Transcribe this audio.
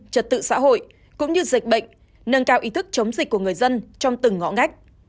trật tự xã hội cũng như dịch bệnh nâng cao ý thức chống dịch của người dân trong từng ngõ ngách